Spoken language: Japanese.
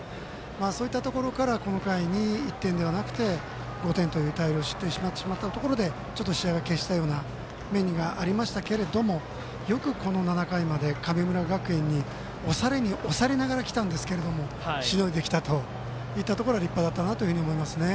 そういったところから、この回に１点ではなくて、５点という大量失点をしてしまった中でちょっと試合が決したような気はしましたけどよく７回まで神村学園に押されに押されながらきたんですがしのいできたといったところは立派だったなと思います。